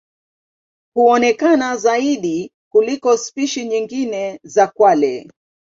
Huonekana zaidi kuliko spishi nyingine za kwale.